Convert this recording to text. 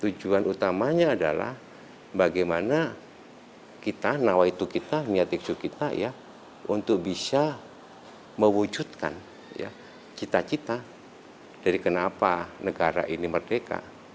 tujuan utamanya adalah bagaimana kita nawaitu kita niat tiksu kita ya untuk bisa mewujudkan cita cita dari kenapa negara ini merdeka